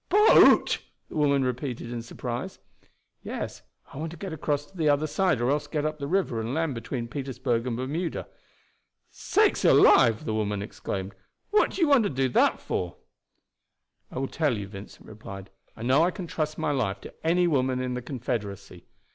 "Boat!" the women repeated in surprise. "Yes, I want to get across to the other side, or else to get up the river and land between Petersburg and Bermuda." "Sakes alive!" the woman exclaimed; "what do you want to do that for?" "I will tell you," Vincent replied. "I know I can trust my life to any woman in the Confederacy.